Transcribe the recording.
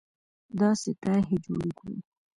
داسې طرحې جوړې کړو